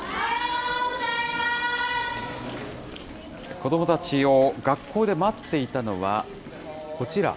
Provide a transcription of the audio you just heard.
子どもたちを学校で待っていたのは、こちら。